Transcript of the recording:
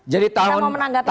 jadi tahun dua ribu tujuh belas